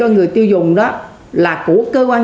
người tiêu dùng đó là của cơ quan